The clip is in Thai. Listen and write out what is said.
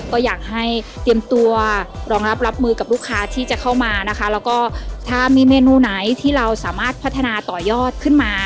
ก็อยากให้เตรียมตัวรองรับรับมือกับลูกค้าที่จะเข้ามานะคะแล้วก็ถ้ามีเมนูไหนที่เราสามารถพัฒนาต่อยอดขึ้นมา